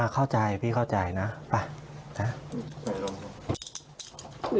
เข้าใจพี่เข้าใจนะไปนะ